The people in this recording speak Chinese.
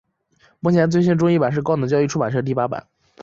目前最新中译版是高等教育出版社第八版。